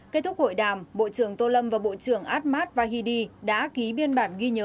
kết thúc hội đàm bộ trưởng tô lâm và bộ trưởng ahmad vahidi đã ký biên bản ghi nhớ